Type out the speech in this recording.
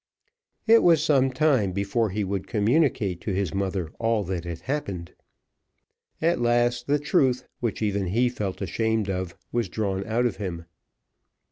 It was some time before he would communicate to his mother all that happened. At last the truth, which even he felt ashamed of, was drawn out of him.